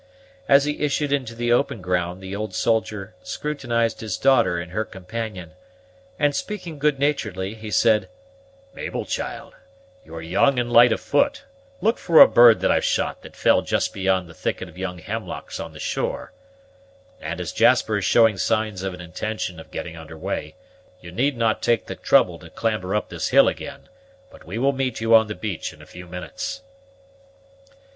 As he issued into the open ground, the old soldier scrutinized his daughter and her companion, and speaking good naturedly, he said, "Mabel, child, you are young and light of foot look for a bird that I've shot that fell just beyond the thicket of young hemlocks on the shore; and, as Jasper is showing signs of an intention of getting under way, you need not take the trouble to clamber up this hill again, but we will meet you on the beach in a few minutes."